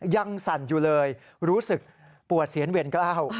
ยังสั่นอยู่เลยรู้สึกปวดเสียงเวรกล้าว